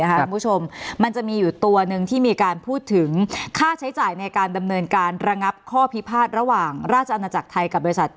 คุณผู้ชมมันจะมีอยู่ตัวหนึ่งที่มีการพูดถึงค่าใช้จ่ายในการดำเนินการระงับข้อพิพาทระหว่างราชอาณาจักรไทยกับบริษัท